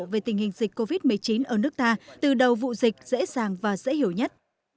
về tình hình dịch covid một mươi chín ở nước ta từ đầu vụ dịch dễ dàng và dễ hiểu nhất